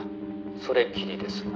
それきりです」